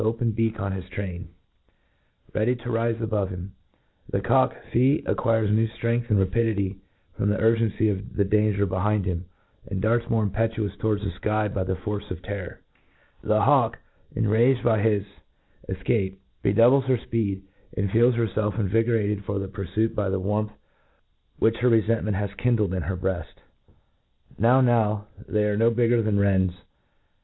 open beak on his train, ready to rife above him. The cock— fee !— acquires new ftrength and rapidity from the urgency of the danger behind him, and darts more impetuous towards the iky by the force of terror* The hawk, enraged by his 118 tNTRODUGTtdiJi his cfcapCy redoublea her fpe^» Rtid feels hch felf invigorated for the purfuit by the wai^mth which hcf refentment has kindled in her breaft* Kow, now, they arc no bigger than wrens